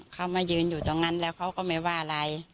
เขามายืนอยู่ตรงนั้นแล้วเขาก็ไม่ว่าอะไร